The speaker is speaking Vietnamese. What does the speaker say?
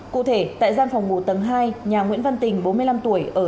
cụ thể tại gian phòng ngụ tầng hai nhà nguyễn văn tình bốn mươi năm tuổi